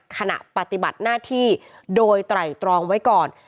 ขณะปฏิบัติหน้าที่โดยไตรตรองไว้ก่อน